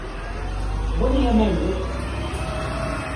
Wali amaynut!